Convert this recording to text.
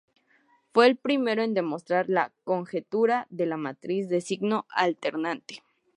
Fue el primero en demostrar la conjetura de la matriz de signo alternante.